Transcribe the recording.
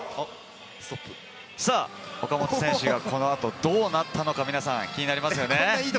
岡本選手がこの後どうなったのか、皆さん気になりますよね？